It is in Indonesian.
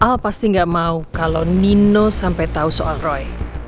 al pasti nggak mau kalau nino sampai tahu soal roy